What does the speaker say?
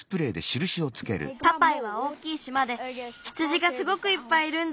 パパイは大きいしまで羊がすごくいっぱいいるんだよ。